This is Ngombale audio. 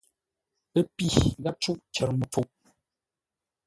Ə́ pî, gháp cûʼ cər məpfuʼ.